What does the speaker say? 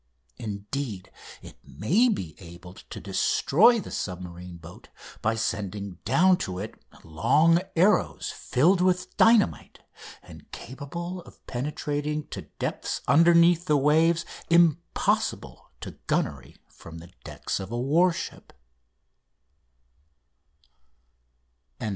Indeed, it may be able to destroy the submarine boat by sending down to it long arrows filled with dynamite, and capable of penetrating to depths underneath the waves impossible to gunnery from the decks of a warship.